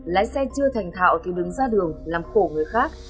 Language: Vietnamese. lái xe chưa thành thạo thì đứng ra đường làm khổ người khác